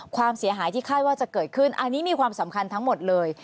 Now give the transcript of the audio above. ความเสียหายที่คาดว่าจะเกิดขึ้นอันนี้มีความสำคัญทั้งหมดเลย